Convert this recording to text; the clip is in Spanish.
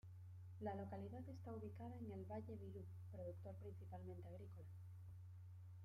La localidad está ubicada en el Valle Virú, productor principalmente agrícola.